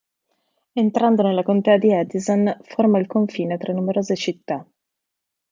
Entrando nella contea di Addison, forma il confine tra numerose città.